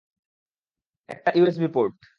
একটা USB port.